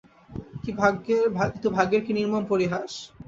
কিন্তু ভাগ্যের কি নির্মম পরিহাস।